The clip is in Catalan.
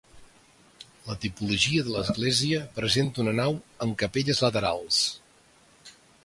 La tipologia de l'església presenta una nau amb capelles laterals.